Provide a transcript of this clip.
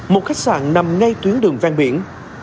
một khách sạn nằm ngay tuyến đường vang biển